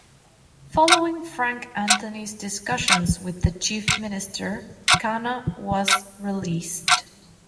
Following Frank Anthony's discussions with the chief minister, Khanna was released.